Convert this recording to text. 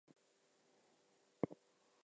There was a picture of him and his partner.